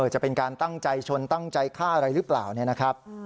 จะเป็นการตั้งใจชนตั้งใจฆ่าอะไรหรือเปล่าเนี่ยนะครับ